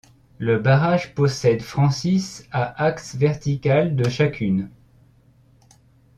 Le barrage possède Francis à axe vertical de chacune.